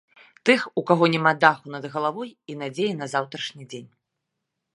Тых, у каго няма даху над галавой і надзеі на заўтрашні дзень.